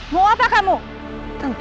kalian sudah menolong